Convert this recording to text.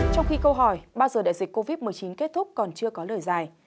trong khi câu hỏi bao giờ đại dịch covid một mươi chín kết thúc còn chưa có lời giải